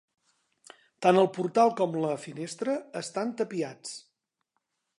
Tant el portal com la finestra estan tapiats.